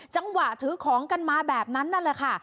จังหวะถือของกันมาแบบนั้นนั่นแหละค่ะ